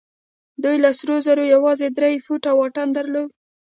دوی له سرو زرو يوازې درې فوټه واټن درلود.